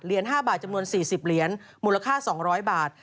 ๕บาทจำนวน๔๐เหรียญมูลค่า๒๐๐บาท